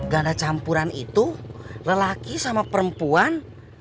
ganda campuran itu lelaki sama perempuan